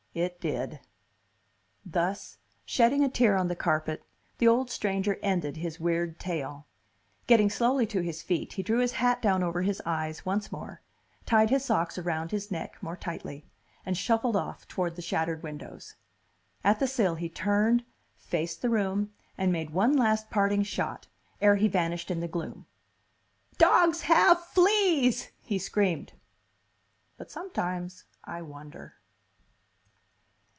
It did." Thus, shedding a tear on the carpet, the old stranger ended his weird tale. Getting slowly to his feet, he drew his hat down over his eyes once more, tied his socks around his neck more tightly, and shuffled off toward the shattered windows. At the sill, he turned, faced the room, and made one last parting shot, ere he vanished in the gloom. "Dogs have fleas!" he screamed. But sometimes I wonder.